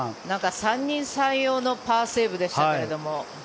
三人三様のパーセーブでしたけど。